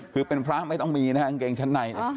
คือเป็นพระไม่ต้องมีนะฮะกางเกงชั้นใน